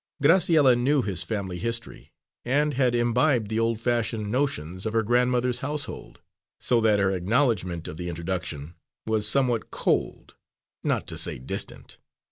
Graciella knew his family history, and had imbibed the old fashioned notions of her grandmother's household, so that her acknowledgment of the introduction was somewhat cold, not to say distant.